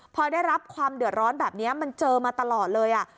พอได้รับความเดือดร้อนแบบนี้มันเจอมาตลอดเลย